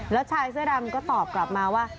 แล้วชายเสื้อดำก็ตอบกลับมาว่า